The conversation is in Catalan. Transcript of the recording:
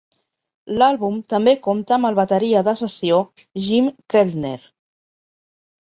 L'àlbum també compta amb el bateria de sessió Jim Keltner.